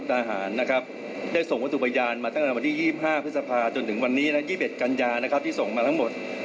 ได้ส่งวัตถุประยานมาตั้งแต่วันที่๒๕พฤษภาจนถึงวันนี้๒๑กัญญาที่ส่งมาทั้งหมด